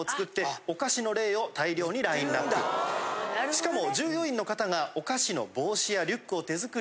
しかも。